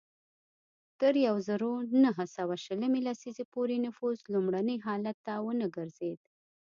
تر یوه زرو نهه سوه شلمې لسیزې پورې نفوس لومړني حالت ته ونه ګرځېد.